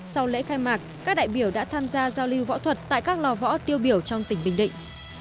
sau lễ khai mạc các đại biểu đã tham gia giao lưu võ thuật tại các lò võ tiêu biểu trong tỉnh bình định